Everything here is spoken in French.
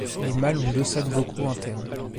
Les mâles ont deux sacs vocaux internes.